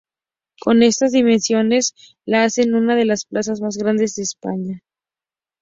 Con estas dimensiones la hacen una de las plazas más grandes de España.